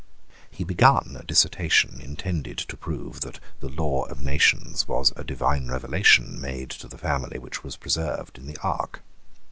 He began a dissertation intended to prove that the law of nations was a divine revelation made to the family which was preserved in the ark.